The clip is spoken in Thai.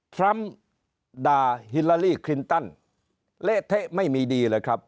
ทรัมป์ด่าฮิลาลีคลินตันเละเทะไม่มีดีเลยครับ